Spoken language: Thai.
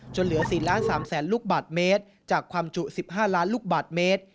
เหลือ๔๓๐๐๐ลูกบาทเมตรจากความจุ๑๕ล้านลูกบาทเมตร